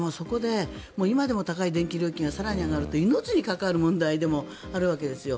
今でも高い電気料金が更に上がると命に関わる問題でもあるわけですよ。